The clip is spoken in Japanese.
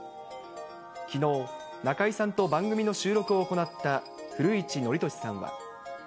きのう、中居さんと番組の収録を行った古市憲寿さんは。